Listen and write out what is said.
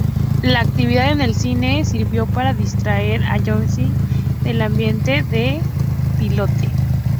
La actividad en el cine sirvió para distraer a Goscinny del ambiente de "Pilote".